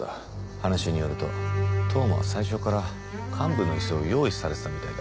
話によると当麻は最初から幹部の椅子を用意されてたみたいだ。